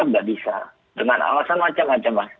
dengan alasan macam macam mas